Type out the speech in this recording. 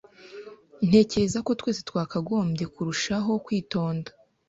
Ntekereza ko twese twakagombye kurushaho kwitonda.